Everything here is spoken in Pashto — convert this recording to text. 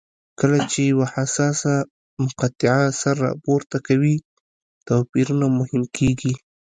کله چې یوه حساسه مقطعه سر راپورته کوي توپیرونه مهم کېږي.